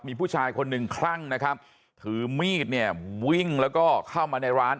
มีผู้ชายคนหนึ่งคลั่งนะครับถือมีดเนี่ยวิ่งแล้วก็เข้ามาในร้าน